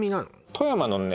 富山のね